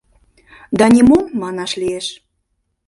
Да нимом, манаш лиеш.